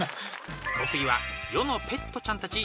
お次は世のペットちゃんたち